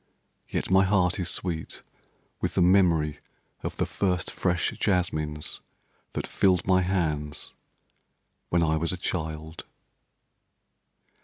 Yet my heart is sweet with the memory of the first fresh jasmines that filled my hands when I was a child.